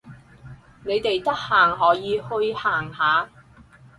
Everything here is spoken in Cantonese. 你哋得閒可以去行下